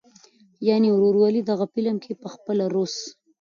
يعنې "وروولي". دغه فلم کښې پخپله روس